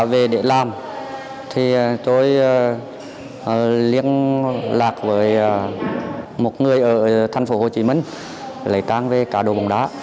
về để làm thì tôi liên lạc với một người ở thành phố hồ chí minh lấy tang về cá đồ bóng đá